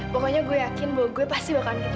pokoknya gue yakin bahwa gue pasti bakalan gitu